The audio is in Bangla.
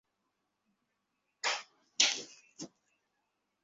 বেশ, থানায় মার খেয়ে নিশ্চয়ই ক্লান্ত হয়ে গেছিস।